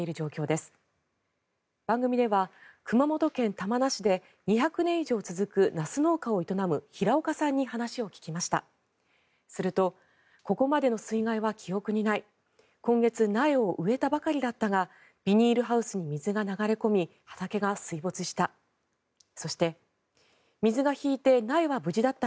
すると、ここまでの水害は記憶にない今月、苗を植えたばかりだったがビニールハウスに水が流れ込み畑が水没した。